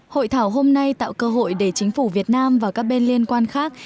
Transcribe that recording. hội thảo hôm nay tạo cơ hội để chính phủ việt nam và các bên liên quan khác